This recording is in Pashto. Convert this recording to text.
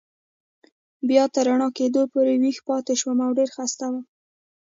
بیا تر رڼا کېدو پورې ویښ پاتې شوم او ډېر و خسته شوم.